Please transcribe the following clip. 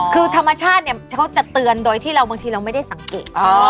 คือธรรมชาติเนี่ยเขาจะเตือนโดยที่เราบางทีเราไม่ได้สังเกต